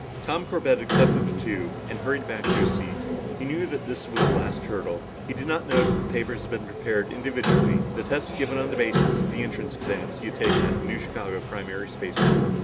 Tom Corbett accepted the tube and hurried back to his seat. He knew that this was the last hurdle. He did not know that the papers had been prepared individually, the tests given on the basis of the entrance exams he had taken back at New Chicago Primary Space School.